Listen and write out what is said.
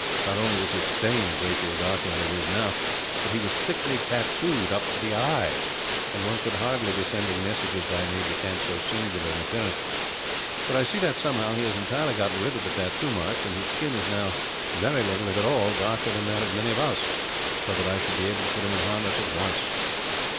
Not only was his stain a great deal darker than it is now, but he was thickly tattooed up to the eyes, and one could hardly be sending messages by an aide de camp so singular in appearance; but I see that, somehow, he has entirely got rid of the tattoo marks; and his skin is now very little, if at all, darker than that of many of us, so that I shall be able to put him in harness at once."